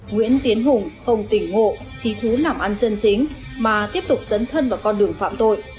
nguyễn tiến hùng không tỉnh ngộ trí thú làm ăn chân chính mà tiếp tục tấn thân vào con đường phạm tội